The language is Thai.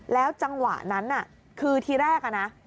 แล้วจังหวะนั้นคือทีแรกอะนะ